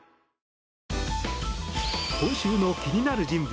今週の気になる人物